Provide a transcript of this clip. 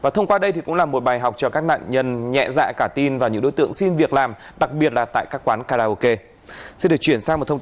thông qua đây thì cũng là một bài học cho các nạn nhân nhẹ dạ cả tin và những đối tượng xin việc làm đặc biệt là tại các quán karaoke